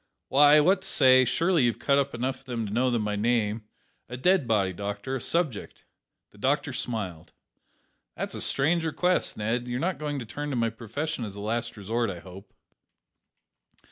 "Why, what I say; surely you've cut up enough of 'em to know 'em by name; a dead body, doctor, a subject." The doctor smiled. "That's a strange request, Ned. You're not going to turn to my profession as a last resort, I hope?"